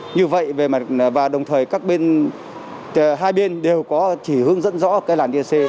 như vậy và đồng thời các bên hai bên đều có chỉ hướng dẫn rõ các làn etc